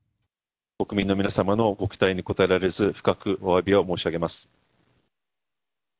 国民の皆様のご期待に応えられず、深くおわびを申し上げます。